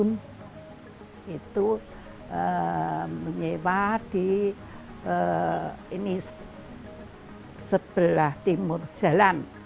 itu menyewa di sebelah timur jalan